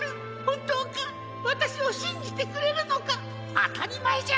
あたりまえじゃ。